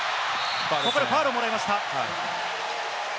ここでファウルをもらいました。